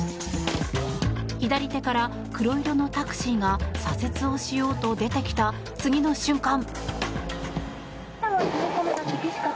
左手から黒色のタクシーが左折をしようと出てきた次の瞬間。